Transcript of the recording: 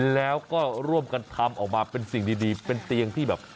แล้วก็ร่วมกันทำออกมาเป็นสิ่งดีเป็นเตียงที่แบบ